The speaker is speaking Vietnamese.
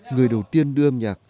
người đầu tiên đưa âm nhạc